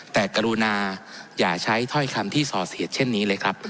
แต่กรุณาอย่าใช้ถ้อยคำที่สอดเสียดเช่นนี้เลยครับ